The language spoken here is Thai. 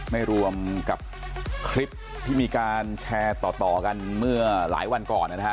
ไม่รวมกับคลิปที่มีการแชร์ต่อกันเมื่อหลายวันก่อนนะฮะ